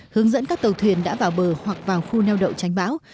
hướng dẫn các tàu thuyền đã vào bờ hoặc vào khu neo đậu tránh bão